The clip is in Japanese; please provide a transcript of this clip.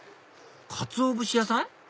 かつお節屋さん？